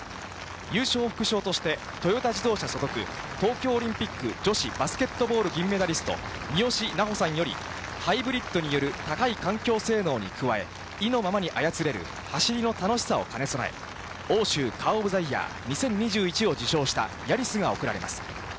優勝副賞として、トヨタ自動車所属、東京オリンピック女子バスケットボール銀メダリスト、三好南穂さんより、ハイブリッドによる高い環境性能に加え、意のままに操れる走りの楽しさを兼ね備え、欧州カー・オブ・ザ・イヤー２０２１を受賞したヤリスが贈られます。